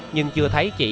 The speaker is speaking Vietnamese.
nhưng chưa thấy chị